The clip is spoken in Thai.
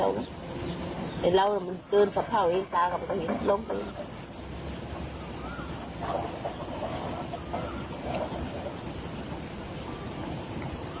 อย่าเอาตำรวจไปุ้งตก